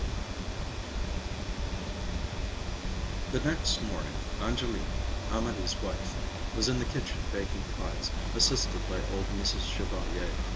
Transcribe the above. IV The next morning Angélique, Amédée's wife, was in the kitchen baking pies, assisted by old Mrs. Chevalier.